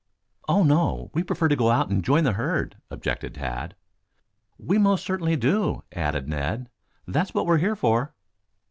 "Oh, no. We prefer to go out and join the herd," objected Tad. "We most certainly do," added Ned. "That's what we are here for."